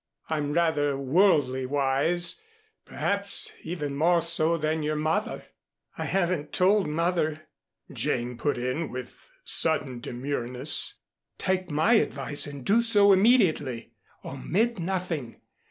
I'm rather worldly wise, perhaps, even more so than your mother " "I haven't told mother," Jane put in with sudden demureness. "Take my advice and do so immediately. Omit nothing.